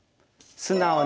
素直に。